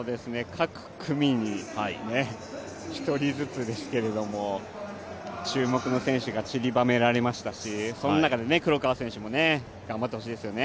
各組に１人ずつですけれども注目の選手がちりばめられましたし、その中で黒川選手も頑張ってほしいですよね。